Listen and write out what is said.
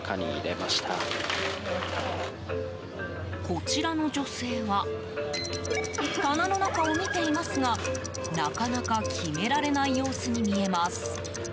こちらの女性は棚の中を見ていますがなかなか決められない様子に見えます。